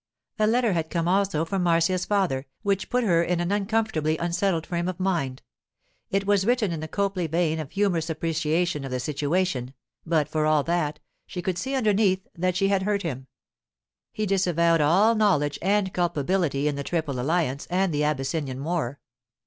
A letter had come also from Marcia's father, which put her in an uncomfortably unsettled frame of mind. It was written in the Copley vein of humorous appreciation of the situation; but, for all that, she could see underneath that she had hurt him. He disavowed all knowledge and culpability in the Triple Alliance and the Abyssinian war.